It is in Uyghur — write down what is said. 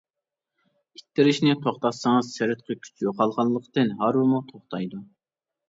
ئىتتىرىشنى توختاتسىڭىز سىرتقى كۈچ يوقالغانلىقتىن ھارۋىمۇ توختايدۇ.